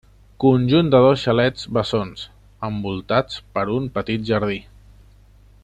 Conjunt de dos xalets bessons, envoltats per un petit jardí.